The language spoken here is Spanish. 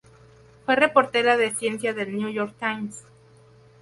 Fue reportera de ciencia del New York Times.